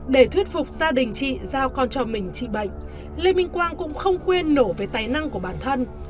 để thuyết phục gia đình chị giao con cho mình trị bệnh lê minh quang cũng không quên nổ với tài năng của bản thân